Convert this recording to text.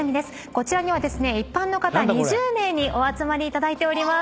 こちらには一般の方２０名にお集まりいただいております。